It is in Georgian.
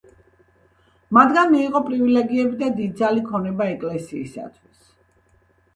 მათგან მიიღო პრივილეგიები და დიდძალი ქონება ეკლესიისათვის.